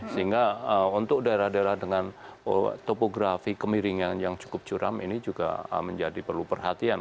sehingga untuk daerah daerah dengan topografi kemiringan yang cukup curam ini juga menjadi perlu perhatian